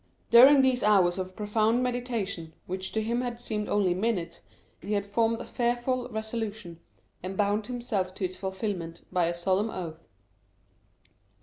During these hours of profound meditation, which to him had seemed only minutes, he had formed a fearful resolution, and bound himself to its fulfilment by a solemn oath.